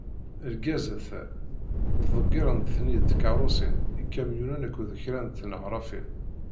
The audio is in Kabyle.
Lgazat-a, ttḍeggirent-ten-id tkerrusin, ikamyunen akked kra n tneɣrafin.